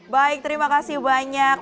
baik terima kasih banyak